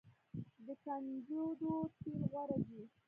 د کنجدو تیل غوره دي.